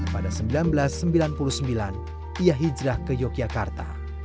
pada seribu sembilan ratus sembilan puluh sembilan ia hijrah ke yogyakarta